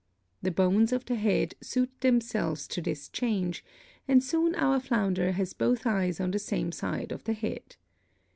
The bones of the head suit themselves to this change and soon our flounder has both eyes on the same side of the head.